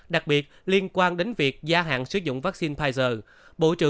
đặc biệt liên quan đến việc gia hạn sử dụng vaccine pfizer